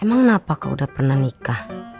emang kenapa kau udah pernah nikah